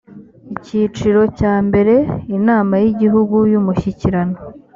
icyiciro cya mbere inamayigihugu yumushyikirano